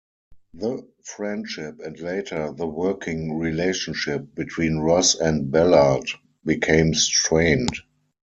The friendship, and later the working relationship, between Ross and Ballard became strained.